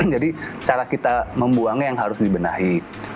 jadi cara kita membuangnya yang harus dibenahi